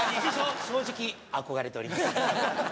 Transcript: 正直、憧れております。